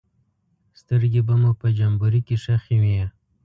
سترګې به مو په جمبوري کې ښخې وې.